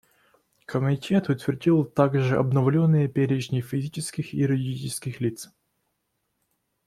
Комитет утвердил также обновленные перечни физических и юридических лиц.